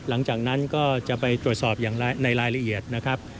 หลังจากนั้นก็จะไปตรวจสอบอย่างในรายละเอียดนะครับ